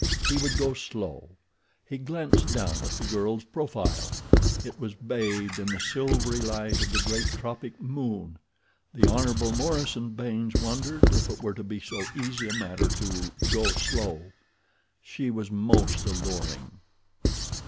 He would go slow. He glanced down at the girl's profile. It was bathed in the silvery light of the great tropic moon. The Hon. Morison Baynes wondered if it were to be so easy a matter to "go slow." She was most alluring.